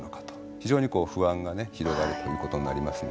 非常に不安がね広がるということになりますね。